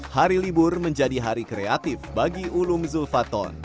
hari libur menjadi hari kreatif bagi ulum zulfaton